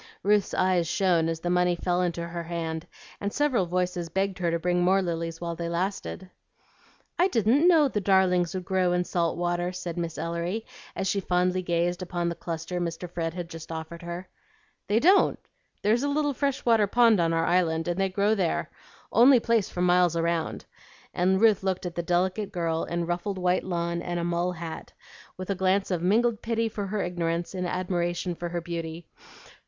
Ruth's eyes shone as the money fell into her hand, and several voices begged her to bring more lilies while they lasted. "I didn't know the darlings would grow in salt water," said Miss Ellery, as she fondly gazed upon the cluster Mr. Fred had just offered her. "They don't. There's a little fresh water pond on our island, and they grow there, only place for miles round;" and Ruth looked at the delicate girl in ruffled white lawn and a mull hat, with a glance of mingled pity for her ignorance and admiration for her beauty.